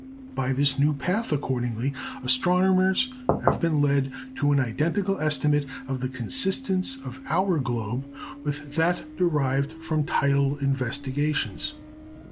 By this new path, accordingly, astronomers have been led to an identical estimate of the consistence of our globe with that derived from tidal investigations.